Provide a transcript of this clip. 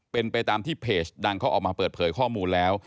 เป็นไปตามที่เพจดังเขาออกมาเปิดเผยข้อมูลแล้ว